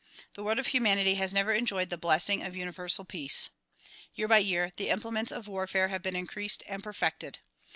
The world of humanity has never enjoyed the blessing of Universal Peace. Year by year the implements of warfare have been increased and perfected.